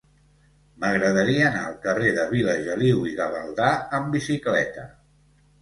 M'agradaria anar al carrer de Vilageliu i Gavaldà amb bicicleta.